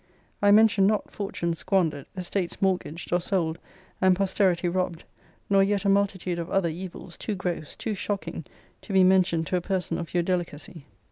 I mention not fortunes squandered, estates mortgaged or sold, and posterity robbed nor yet a multitude of other evils, too gross, too shocking, to be mentioned to a person of your delicacy.